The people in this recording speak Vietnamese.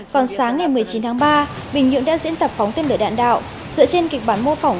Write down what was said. còn sáng ngày một mươi chín tháng ba bình nhưỡng đã diễn tập phóng tên lửa đạn đạo dựa trên kịch bản mô phỏng